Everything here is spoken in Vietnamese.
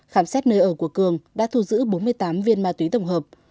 khám xét nơi ở của cường đã thu giữ bốn mươi tám viên ma túy tổng hợp